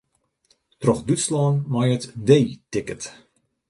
Troch Dútslân mei it D-ticket.